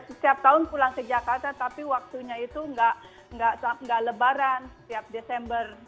setiap tahun pulang ke jakarta tapi waktunya itu nggak lebaran setiap desember